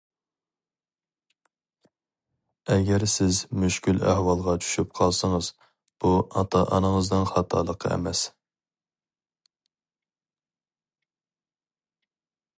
ئەگەر سىز مۈشكۈل ئەھۋالغا چۈشۈپ قالسىڭىز، بۇ ئاتا- ئانىڭىزنىڭ خاتالىقى ئەمەس.